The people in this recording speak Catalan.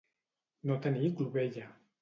No tenir clovella.